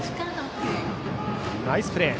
ナイスプレー！